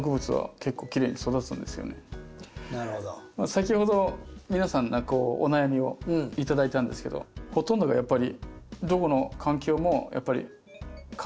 先ほど皆さんのお悩みを頂いたんですけどほとんどがやっぱりどこの環境も風不足。